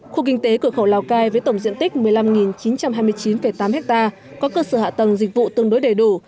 khu kinh tế cửa khẩu lào cai với tổng diện tích một mươi năm chín trăm hai mươi chín tám ha có cơ sở hạ tầng dịch vụ tương đối đầy đủ